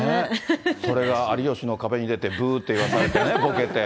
それが有吉の壁に出て、ぶーって言わされてね、ぼけて。